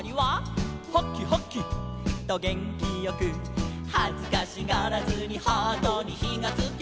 「ハキハキ！とげんきよく」「はずかしがらずにハートにひがつきゃ」